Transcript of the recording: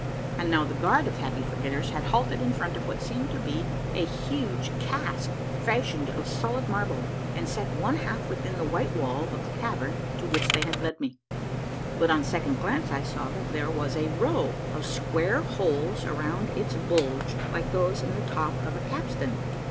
And now the guard of Happy Forgetters had halted in front 230 A MARVELLOUS UNDERGROUND JOURNEY of what seemed to me to be a huge cask fashioned of solid marble, and set one half within the white wall of the cavern to which they had led me. But on second glance I saw that there was a row of square holes around its bulge, like those in the top of a capstan.